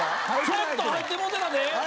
ちょっと入ってもうてたで。